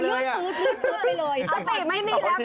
ต้องโทษ